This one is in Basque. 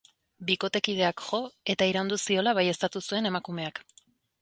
Bikotekideak jo eta iraindu ziola baieztatu zuen emakumeak.